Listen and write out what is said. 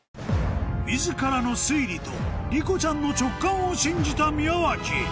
自らの推理とりこちゃんの直感を信じた宮脇